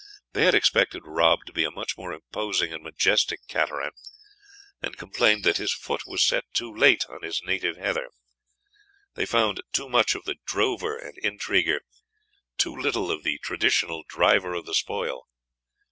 They had expected Rob to be a much more imposing and majestic cateran, and complained that his foot was set too late on his native heather. They found too much of the drover and intriguer, too little of the traditional driver of the spoil.